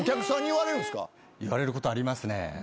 言われることありますね。